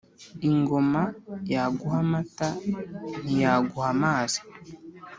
Ingoma yaguha amata ntiyaguha amazi